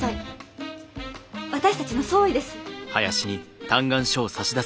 私たちの総意です。